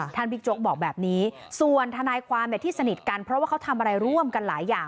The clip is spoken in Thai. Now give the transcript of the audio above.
บิ๊กโจ๊กบอกแบบนี้ส่วนทนายความที่สนิทกันเพราะว่าเขาทำอะไรร่วมกันหลายอย่าง